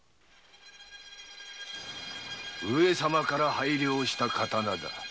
上様から拝領した刀だ。